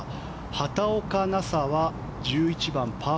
畑岡奈紗は１１番、パー